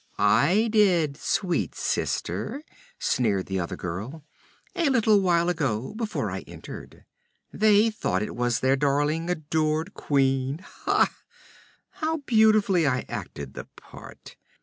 'I did, sweet sister,' sneered the other girl. 'A little while ago, before I entered. They thought it was their darling adored queen. Ha! How beautifully I acted the part!